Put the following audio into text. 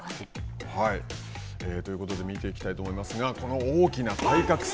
ということで見ていきたいと思いますが、この大きな体格差。